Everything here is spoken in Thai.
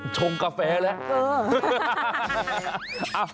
ชงกาแฟแหละ